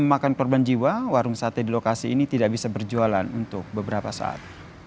memakan korban jiwa warung sate di lokasi ini tidak bisa berjualan untuk beberapa saat